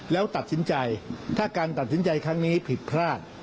แล้วตัดสินใจถ้าการตัดสินใจครั้งนี้ผิดพลาด